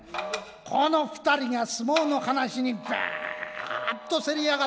この二人が相撲の話にぐぁーっとせり上がってきた。